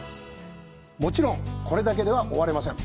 もちろん、これだけでは終われません。